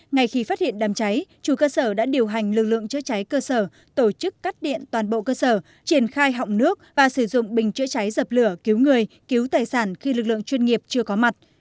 ngay khi phát hiện đám cháy chủ cơ sở đã điều hành lực lượng chữa cháy cơ sở tổ chức cắt điện toàn bộ cơ sở triển khai họng nước và sử dụng bình chữa cháy dập lửa cứu người cứu tài sản khi lực lượng chuyên nghiệp chưa có mặt